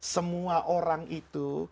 semua orang itu